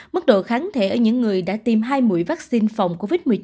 mức độ kháng thể ở những người đã tìm hai mũi vaccine phòng covid một mươi chín